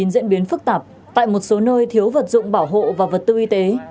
diễn biến phức tạp tại một số nơi thiếu vật dụng bảo hộ và vật tư y tế